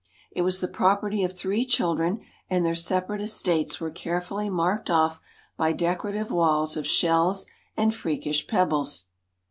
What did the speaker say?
It was the property of three children, and their separate estates were carefully marked off by decorative walls of shells and freakish pebbles.